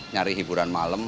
nyari hiburan malam